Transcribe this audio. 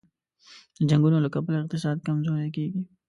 د جنګونو له کبله اقتصاد کمزوری کېږي.